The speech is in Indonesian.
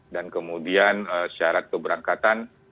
dan kemudian syarat keberangkatan